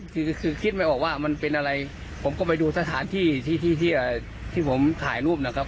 คือคือคิดไม่ออกว่ามันเป็นอะไรผมก็ไปดูสถานที่ที่ที่ผมถ่ายรูปนะครับ